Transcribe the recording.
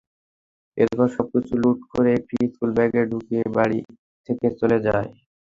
এরপর সবকিছু লুট করে একটি স্কুল ব্যাগে ঢুকিয়ে বাড়ি থেকে চলে যায়।